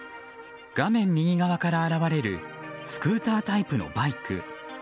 画面右側から現れるスクータータイプのバイク。